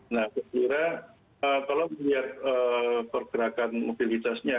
nah berkira kalau melihat pergerakan mobilitasnya